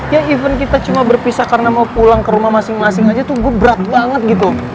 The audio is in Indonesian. ya even kita cuma berpisah karena mau pulang ke rumah masing masing aja tuh gebrak banget gitu